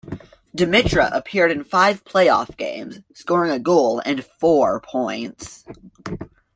Demitra appeared in five playoff games, scoring a goal and four points.